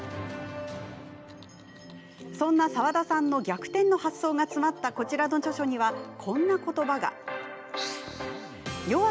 そんな澤田さんの逆転の発想が詰まった、こちらの著書にはこんなことばが。